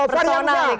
fadli yang enggak